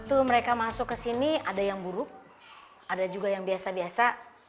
waktu mereka masuk ke sini ada yang buruk ada juga yang biasa biasa